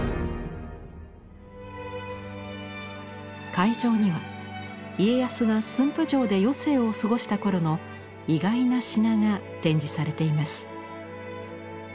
会場には家康が駿府城で余生を過ごした頃の意外な品が展示されています。